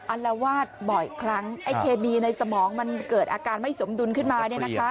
อารวาสบ่อยครั้งไอ้เคมีในสมองมันเกิดอาการไม่สมดุลขึ้นมา